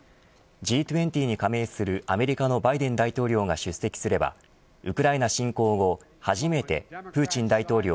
Ｇ２０に加盟するアメリカのバイデン大統領が出席すればウクライナ侵攻後初めてプーチン大統領